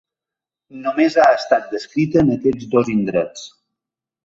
Només ha estat descrita en aquests dos indrets.